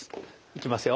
いきますよ。